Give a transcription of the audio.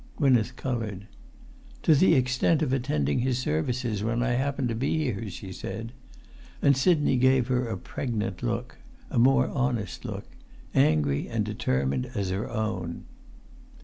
Gwynneth coloured. "To the extent of attending his services when I happen to be here," she said. And Sidney gave her a pregnant look—a more honest look—angry and determined as her own.